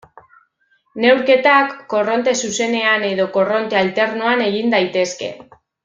Neurketak korronte zuzenean edo korronte alternoan egin daitezke.